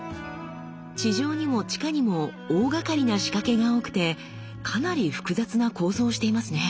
地上にも地下にも大がかりな仕掛けが多くてかなり複雑な構造をしていますね。